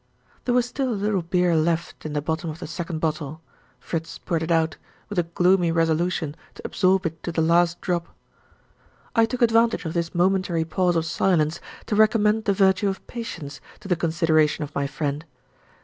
There was still a little beer left in the bottom of the second bottle. Fritz poured it out, with a gloomy resolution to absorb it to the last drop. I took advantage of this momentary pause of silence to recommend the virtue of patience to the consideration of my friend.